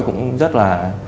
cũng rất là